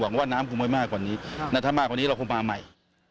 ว่าน้ำคงไม่มากกว่านี้ถ้ามากกว่านี้เราคงมาใหม่